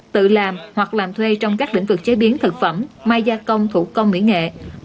tự làm hoặc làm thuê trong các lĩnh vực chế biến thực phẩm mai gia công thủ công mỹ nghệ